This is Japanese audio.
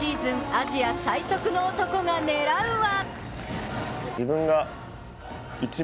アジア最速の男が狙うは